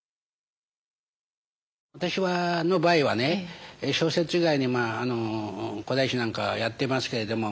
私の場合はね小説以外に古代史なんかやってますけれども。